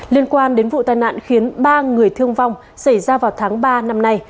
liên quan đến vụ tai nạn khiến ba người thương vong xảy ra vào tháng ba năm nay